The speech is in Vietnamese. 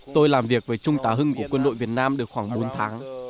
tôi làm việc với trung tá hưng của quân đội việt nam được khoảng bốn tháng